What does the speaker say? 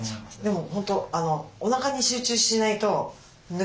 でも本当おなかに集中しないと抜けちゃう。